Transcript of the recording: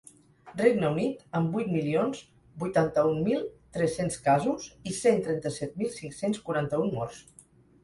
Regne Unit, amb vuit milions vuitanta-un mil tres-cents casos i cent trenta-set mil cinc-cents quaranta-un morts.